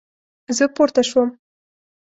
زه پورته شوم